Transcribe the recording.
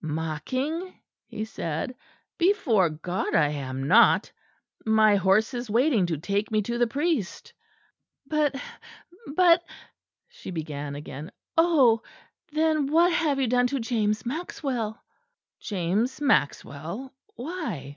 "Mocking!" he said, "before God I am not. My horse is waiting to take me to the priest." "But but " she began again. "Oh! then what have you done to James Maxwell?" "James Maxwell! Why?